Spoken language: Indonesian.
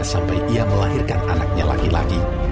sampai ia melahirkan anaknya laki laki